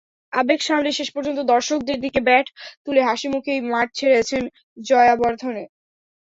আবেগ সামলে শেষ পর্যন্ত দর্শকদের দিকে ব্যাট তুলে হাসিমুখেই মাঠ ছেড়েছেন জয়াবর্ধনে।